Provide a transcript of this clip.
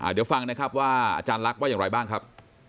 เดี๋ยวฟังนะครับว่าอาจารย์ลักษณ์ว่าอย่างไรบ้างครับ